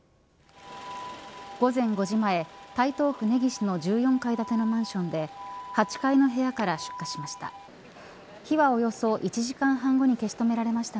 午前５時前、台東区根岸の１４階建てのマンションで８階の部屋から出火しました。